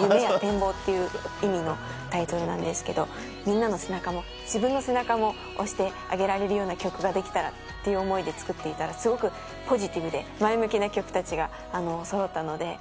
夢や展望っていう意味のタイトルなんですけど、みんなの背中も、自分の背中も押してあげられるような曲が出来たらっていう思いで作っていたら、すごくポジティブで前向きな曲たちがそろったので。